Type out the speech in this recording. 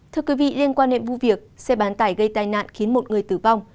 thưa quý vị liên quan đến vụ việc xe bán tải gây tai nạn khiến một người tử vong